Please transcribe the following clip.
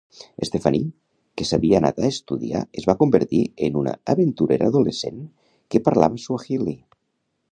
Stefanie, que s'havia anat a estudiar, es va convertir en una aventurera adolescent que parlava suahili.